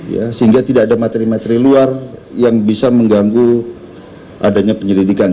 ya sehingga tidak ada materi materi luar yang bisa mengganggu adanya penyelidikan